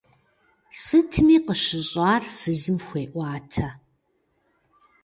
Сытми къыщыщӀар фызым хуеӀуатэ.